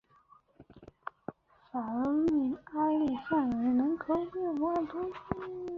法尔日阿利尚人口变化图示